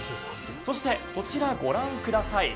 そして、こちらご覧ください。